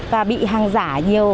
và bị hàng giả nhiều